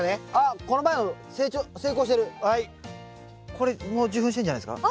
これも受粉してんじゃないですか？